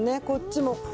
こっちも。